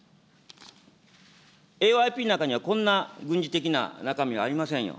ＡＯＩＰの中にはこんな軍事的な中身はありませんよ。